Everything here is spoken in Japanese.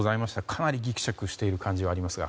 かなりぎくしゃくしている感じはありますが。